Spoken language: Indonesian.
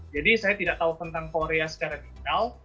jadi saya tidak tahu tentang korea secara digital